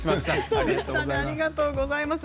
ありがとうございます。